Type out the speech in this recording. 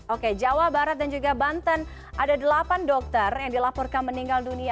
oke jawa barat dan juga banten ada delapan dokter yang dilaporkan meninggal dunia